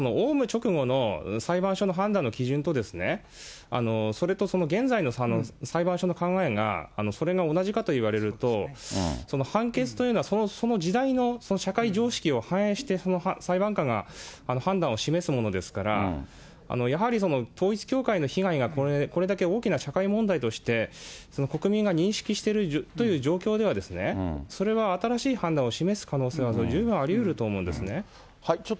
直後の裁判所の判断の基準と、それと現在の裁判所の考えが、それが同じかといわれると、判決というのはその時代の社会常識を反映して、裁判官が判断を示すものですから、やはり統一教会の被害がこれだけ大きな社会問題として、国民が認識しているという状況では、それは新しい判断を示す可能性は十分ありうると思うんですね。